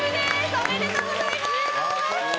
おめでとうございます。